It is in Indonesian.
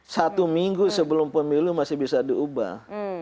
satu minggu sebelum pemilu masih bisa diubah